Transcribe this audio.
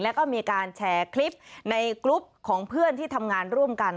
แล้วก็มีการแชร์คลิปในกรุ๊ปของเพื่อนที่ทำงานร่วมกัน